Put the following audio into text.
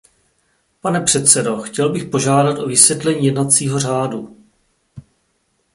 Pane předsedo, chtěl bych požádat o vysvětlení jednacího řádu.